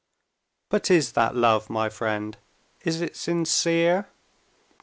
"But is that love, my friend? Is it sincere?